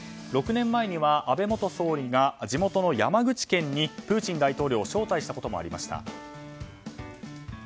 ６年前には安倍元総理が地元の山口県にプーチン大統領を招待したこともありました。